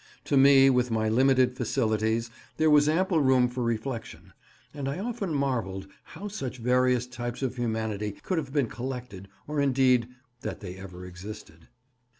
To me, with my limited facilities, there was ample room for reflection; and I often marvelled how such various types of humanity could have been collected, or indeed that they ever existed.